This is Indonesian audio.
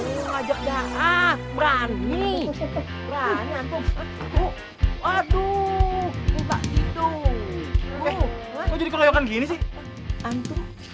eh kok jadi keroyokan gini sih